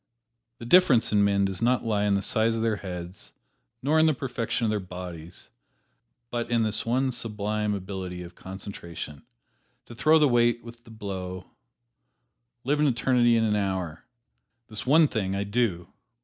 The difference in men does not lie in the size of their heads, nor in the perfection of their bodies, but in this one sublime ability of concentration to throw the weight with the blow, live an eternity in an hour "This one thing I do!"